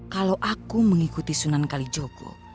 kalau aku mengikuti sunan kalijoko